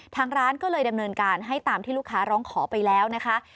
ทางร้านก็เลยดำเนินการให้ตามที่ลูกค้าร้องขอไปแล้วนะคะ